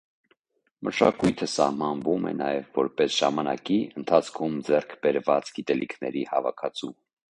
Մշակույթը սահմանվում է նաև որպես ժամանակի ընթացքում ձեռք բերված գիտելիքների հավաքածու։